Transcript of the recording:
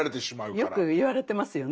よく言われてますよね